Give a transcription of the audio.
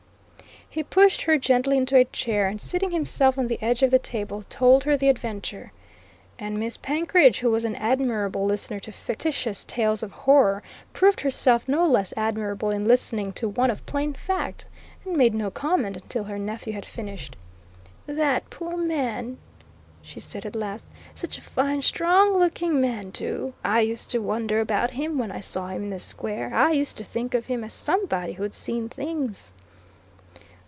He pushed her gently into a chair, and seating himself on the edge of the table, told her the adventure. And Miss Penkridge, who was an admirable listener to fictitious tales of horror, proved herself no less admirable in listening to one of plain fact, and made no comment until her nephew had finished. "That poor man!" she said at last. "Such a fine, strong, healthy looking man, too! I used to wonder about him, when I saw him in the square, I used to think of him as somebody who'd seen things!"